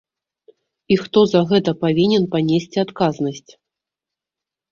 І хто за гэта павінен панесці адказнасць?